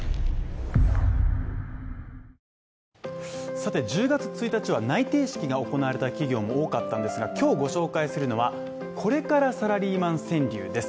さて１０月１日は内定式が行われた企業も多かったんですが今日ご紹介するのはこれからサラリーマン川柳です。